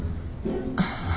ああ。